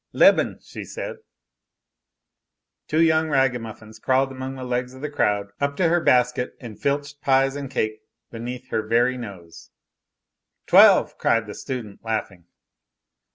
"Leben," she said. Two young ragamuffins crawled among the legs of the crowd up to her basket and filched pies and cake beneath her very nose. "Twelve!" cried the student, laughing.